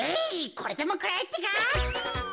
これでもくらえってか。